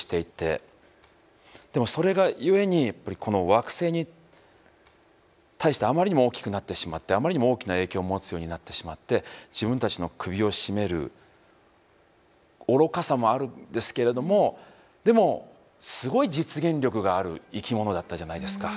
でもそれがゆえにこの惑星に対してあまりにも大きくなってしまってあまりにも大きな影響を持つようになってしまって自分たちの首を絞める愚かさもあるんですけれどもでもすごい実現力がある生き物だったじゃないですか。